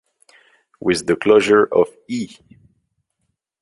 With the closure of E!